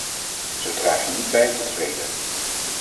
Zo draag je niet bij tot vrede.